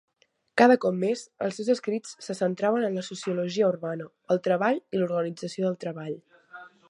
Cada cop més, els seus escrits se centraven en la sociologia urbana, el treball i l'organització del treball.